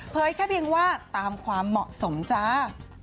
แค่เพียงว่าตามความเหมาะสมจ้า